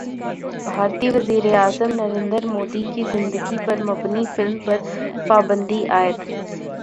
بھارتی وزیراعظم نریندر مودی کی زندگی پر مبنی فلم پر پابندی عائد